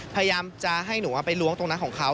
พยายามจะให้หนูไปล้วงตรงนั้นของเขา